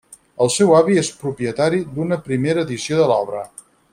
El seu avi és propietari d'una primera edició de l'obra.